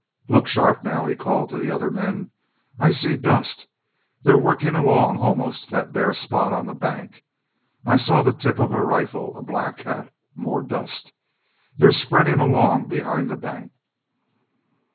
"Look sharp now!" he called to the other men. "I see dust.... They're workin' along almost to that bare spot on the bank.... I saw the tip of a rifle ... a black hat ... more dust. They're spreadin' along behind the bank."